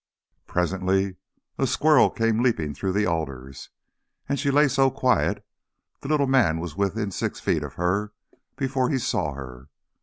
Presently a squirrel came leaping through the alders, and she lay so quiet the little man was within six feet of her before he saw her.